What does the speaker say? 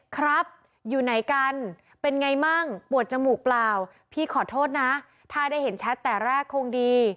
ครับอยู่ไหนกันเป็นไงมั่งปวดจมูกเปล่าพี่ขอโทษนะถ้าได้เห็นแชทแต่แรกคงดี